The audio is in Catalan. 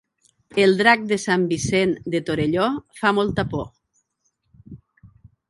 El drac de Sant Vicenç de Torelló fa molta por